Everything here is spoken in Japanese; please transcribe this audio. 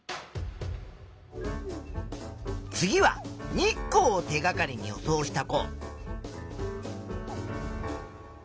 次は日光を手がかりに予想した子。